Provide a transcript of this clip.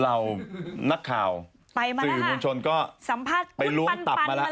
เรานักข่าวสื่อมุญชนก็ไปลุ้มตับมาแล้ว